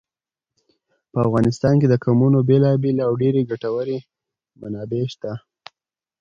په افغانستان کې د قومونه بېلابېلې او ډېرې ګټورې منابع شته.